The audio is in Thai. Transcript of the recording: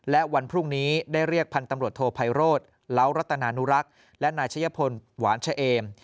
และวันพรุ่งนี้ได้เรียกพันธ์ตำรวจโทไพโรธเล้ารัตนานุรักษ์และนายชะยพลหวานเฉเอม